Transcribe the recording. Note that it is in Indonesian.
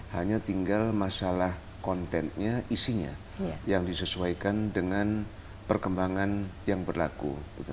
hanya tinggal masalah kontennya isinya yang disesuaikan dengan perkembangan yang berlaku